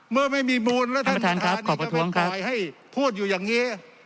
เมื่อไม่มีมูลแล้วท่านประธานนี้ก็ไม่ปล่อยให้พูดอยู่อย่างเงี้ย